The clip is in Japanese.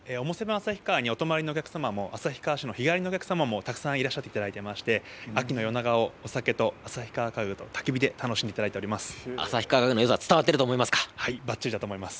旭川にお泊まりのお客様も旭川市の日帰りのお客様もたくさんいらっしゃっていただいていまして、秋の夜長を、お酒と旭川家具とたき火で楽しんでいただい旭川家具のよさ、伝わっていはい、ばっちりだと思います。